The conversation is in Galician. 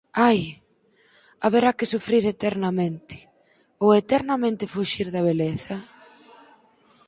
Ai!, haberá que sufrir eternamente, ou eternamente fuxir da beleza?